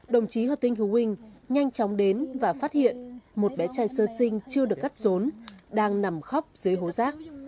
đồng chí hật tinh hữu quynh nhanh chóng đến và phát hiện một bé trẻ sơ sinh chưa được cắt rốn đang nằm khóc dưới hô rác